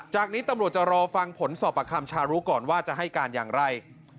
จากนี้ตำรวจจะรอฟังผลสอบประคำชารุก่อนว่าจะให้การอย่างไร